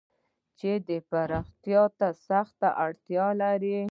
چې پراختيا ته سخته اړتيا لري.